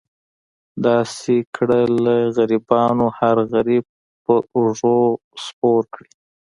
داسې کړه له غریبانو هر غریب پر اوږه سور کړي.